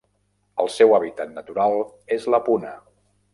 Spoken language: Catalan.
El seu hàbitat natural és la puna.